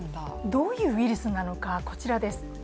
どういうウイルスなのか、こちらです。